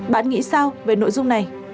bạn nghĩ sao về nội dung này